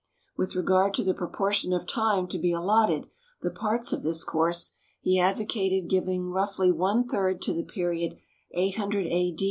With regard to the proportion of time to be allotted the parts of this course, he advocated giving roughly one third to the period 800 A.